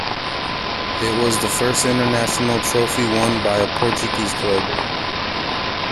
It was the first international trophy won by a Portuguese club.